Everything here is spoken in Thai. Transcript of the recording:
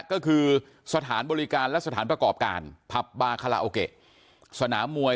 ก็คือสถานบริการและสถานประกอบการผับบาคาราโอเกะสนามมวย